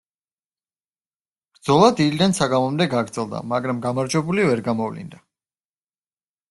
ბრძოლა დილიდან საღამომდე გაგრძელდა, მაგრამ გამარჯვებული ვერ გამოვლინდა.